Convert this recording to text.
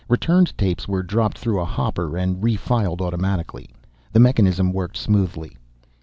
Returned tapes were dropped through a hopper and refiled automatically. The mechanism worked smoothly.